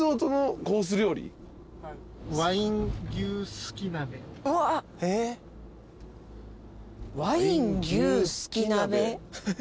ワイン牛すき鍋。